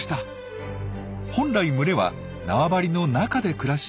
本来群れは縄張りの中で暮らし